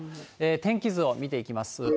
天気図を見ていきます。